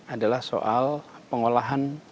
adalah soal pengolahan